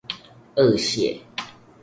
惡血